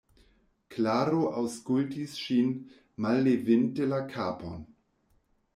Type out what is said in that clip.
Klaro aŭskultis ŝin, mallevinte la kapon.